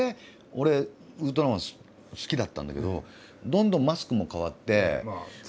俺ウルトラマン好きだったんだけどどんどんマスクも変わって。